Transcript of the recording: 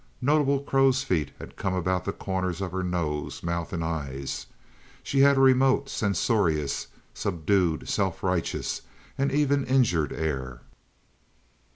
Notable crows' feet had come about the corners of her nose, mouth, and eyes. She had a remote, censorious, subdued, self righteous, and even injured air.